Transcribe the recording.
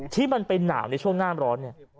ที่มันเป็นหนาวในช่วงหน้าร้อนเนี่ย